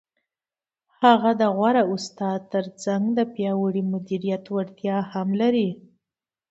هغه د غوره استاد تر څنګ د پیاوړي مدیریت وړتیا هم لري.